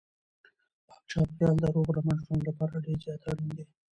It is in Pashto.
پاک چاپیریال د روغ رمټ ژوند لپاره ډېر زیات اړین دی.